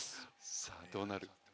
さぁどうなる？